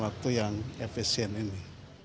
waktu yang efisien ini